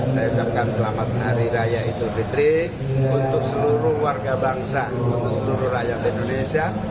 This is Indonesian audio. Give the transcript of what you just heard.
saya ucapkan selamat hari raya idul fitri untuk seluruh warga bangsa untuk seluruh rakyat indonesia